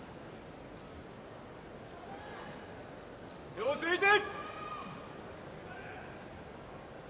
手をついて。